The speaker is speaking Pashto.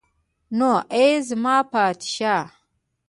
نو ای زما پادشاه.